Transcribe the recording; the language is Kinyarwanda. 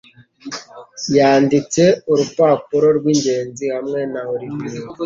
Yanditse urupapuro rw'ingenzi hamwe na Olivier